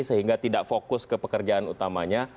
sehingga tidak fokus ke pekerjaan utamanya